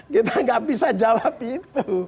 kita nggak bisa jawab itu